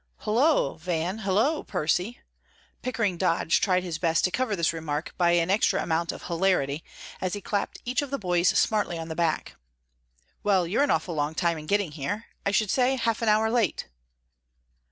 "Hulloa, Van Hulloa, Percy." Pickering Dodge tried his best to cover this remark by an extra amount of hilarity, as he clapped each of the boys smartly on the back. "Well, you're an awful long time in getting here I should say half an hour late."